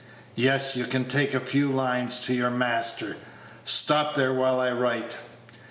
"Yes; you can take a few lines to your master. Stop there while I write."